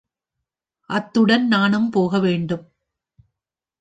அத்துடன் நானும் போக வேண்டும்.